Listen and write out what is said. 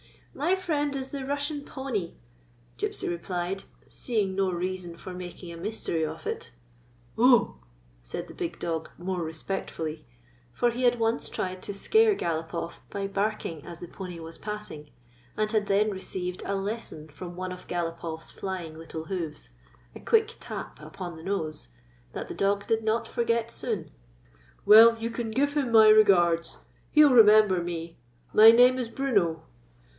" My friend is the Russian pony," Gypsy replied, seeing no reason for making a mystery of it. "Oh," said the big dog more respectfully; for he had once tried to scare Galopoff by barking as the pony was passing, and had then received I IO OUT INTO THE BIG WORLD a lesson from one of GalopofFs flying little hoofs, a quick tap upon the nose, that the clog did not forget soon. " Well, you can give him my regards. He 11 remember me. My name is Bruno.